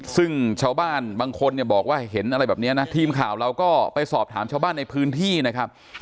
ซึ่งชาวบ้านบางคนเนี่ยบอกว่าเห็นอะไรแบบนี้นะทีมข่าวเราก็ไปสอบถามชาวบ้านในพื้นที่นะครับ